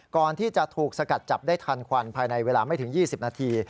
ก่อนที่จะถูกสกัดจับได้ทันควันภายในเวลาไม่ถึง๒๐นาที